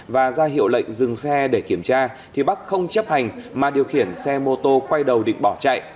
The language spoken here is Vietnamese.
và ra hiệu lệnh dừng xe để kiểm tra thì bắc không chấp hành mà điều khiển xe mô tô quay đầu định bỏ chạy